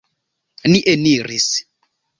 Ni eniris.